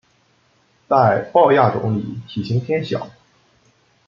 在豹亚种里体型偏小。